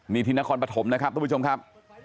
นี่ที่นครปฐมนะครับทุกผู้ชมครับ